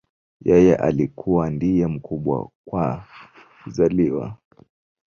Yeye alikuwa ndiye mkubwa kwa kuzaliwa